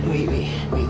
wih wih udah ya